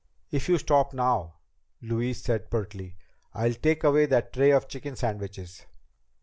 "If you stop now," Louise said pertly, "I'll take away that tray of chicken sandwiches."